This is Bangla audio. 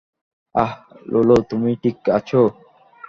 আহ, লুলু, তুমি ঠিক আছো?